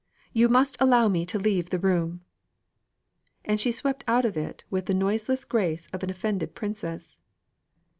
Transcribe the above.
You must allow me to leave the room." And she swept out of it with the noiseless grace of an offended princess.